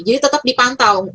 jadi tetap dipantau